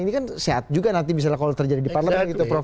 ini kan sehat juga nanti kalau terjadi di parlour kan gitu prof